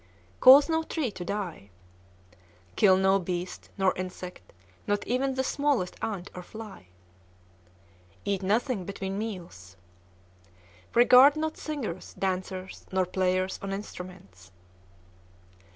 Cause no tree to die. Kill no beast, nor insect, not even the smallest ant or fly. Eat nothing between meals. Regard not singers, dancers, nor players on instruments.